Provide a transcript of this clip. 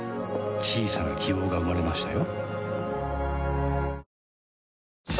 小さな希望が生まれましたよ